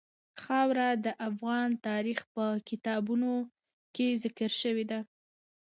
خاوره د افغان تاریخ په کتابونو کې ذکر شوي دي.